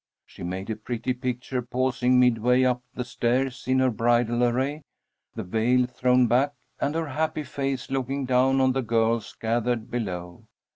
She made a pretty picture, pausing midway up the stairs in her bridal array, the veil thrown back, and her happy face looking down on the girls gathered below.